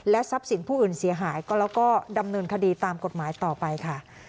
ทรัพย์สินผู้อื่นเสียหายก็แล้วก็ดำเนินคดีตามกฎหมายต่อไปค่ะ